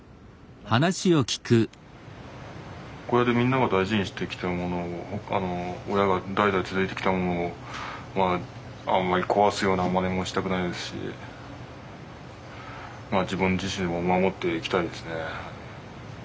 小屋でみんなが大事にしてきたものを親が代々続いてきたものをあんまり壊すようなまねもしたくないですし自分自身でも守っていきたいですね。